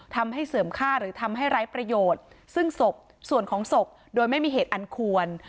ทำให้เสื่อมค่าหรือทำให้ไร้ประโยชน์ซึ่งศพส่วนของศพโดยไม่มีเหตุอันควร